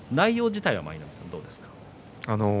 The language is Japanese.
内容自体は舞の海さんどうですか。